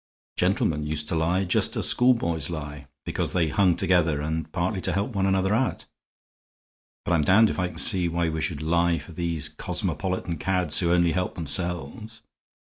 Gentlemen used to lie just as schoolboys lie, because they hung together and partly to help one another out. But I'm damned if I can see why we should lie for these cosmopolitan cads who only help themselves.